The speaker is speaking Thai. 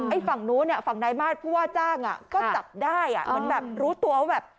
ฝั่งนู้นเนี่ยฝั่งนายมาสผู้ว่าจ้างอ่ะก็จับได้อ่ะเหมือนแบบรู้ตัวว่าแบบ